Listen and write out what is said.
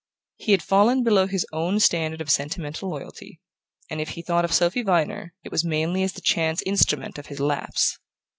He had fallen below his own standard of sentimental loyalty, and if he thought of Sophy Viner it was mainly as the chance instrument of his lapse.